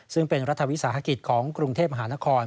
ซึ่งเป็นรัฐวิสาหกิจของกรุงเทพมหานคร